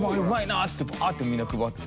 っつってバーッてみんな配って。